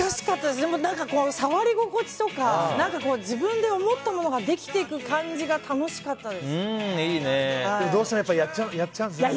でも、触り心地とか自分で思ったものができていく感じがどうしてもやっちゃうんですね。